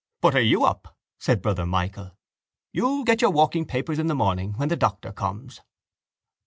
—Butter you up! said Brother Michael. You'll get your walking papers in the morning when the doctor comes.